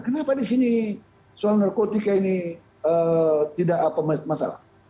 kenapa di sini soal narkotika ini tidak apa masalah